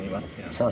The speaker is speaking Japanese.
そう。